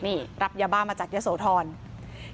นี่รับยาบ้ามาจากยะโสธร